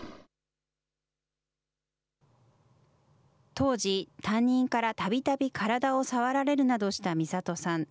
当時、担任からたびたび体を触られるなどしたみさとさん。